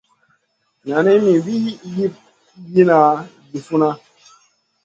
Nani mi Wii yihna vi funna.